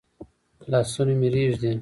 لاسونه مي رېږدي ؟